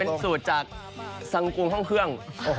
เป็นสูตรจากสังกุงห้องเครื่อง